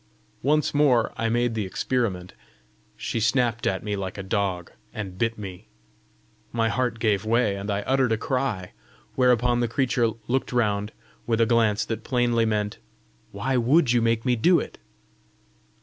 Once more I made the experiment: she snapped at me like a dog, and bit me. My heart gave way, and I uttered a cry; whereupon the creature looked round with a glance that plainly meant "Why WOULD you make me do it?"